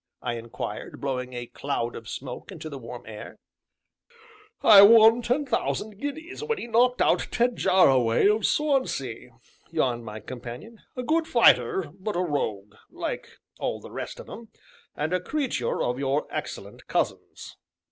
I inquired, blowing a cloud of smoke into the warm air. "I won ten thousand guineas when he knocked out Ted Jarraway of Swansea," yawned my companion; "a good fighter, but a rogue like all the rest of 'em, and a creature of your excellent cousin's."